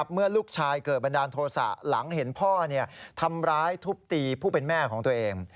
เมื่อลูกชายเกิดบันดาลโทษะหลังเห็นพ่อทำร้ายทุบตีผู้เป็นแม่ของตัวเอง